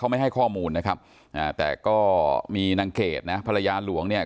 ไม่ให้ข้อมูลนะครับอ่าแต่ก็มีนางเกดนะภรรยาหลวงเนี่ย